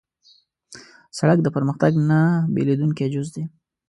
سړک د پرمختګ نه بېلېدونکی جز دی.